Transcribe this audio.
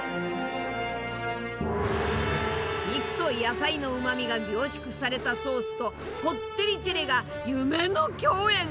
肉と野菜のうまみが凝縮されたソースとコッテリチェレが夢の共演！